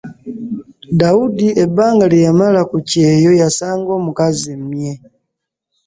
Dawudi ebbanga lye yamala ku kyeyo yasanga omukazi mmye!